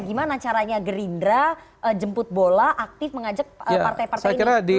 gimana caranya gerindra jemput bola aktif mengajak partai partai ini